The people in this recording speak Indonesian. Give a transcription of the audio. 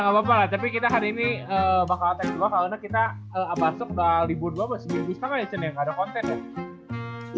ya gapapa lah tapi kita hari ini bakal attack juga karena kita abas talk udah dua ribu dua belas bisa gak ya cenn ya gak ada konten ya